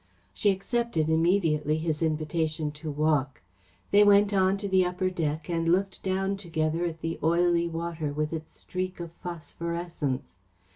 She accepted immediately his invitation to walk. They went on to the upper deck and looked down together at the oily water with its streak of phosphorescence.